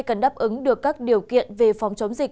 cần đáp ứng được các điều kiện về phòng chống dịch